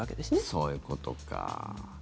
そういうことか。